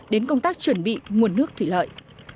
đến công tác chuẩn bị nguồn nước thủy lợi